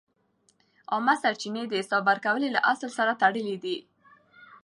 عامه سرچینې د حساب ورکونې له اصل سره تړلې دي.